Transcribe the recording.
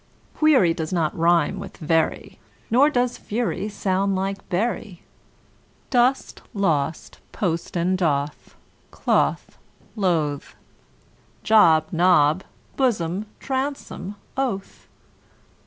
Query does not rime with very, Nor does fury sound like bury. Dost, lost, post and doth, cloth, loth; Job, Job, blossom, bosom, oath.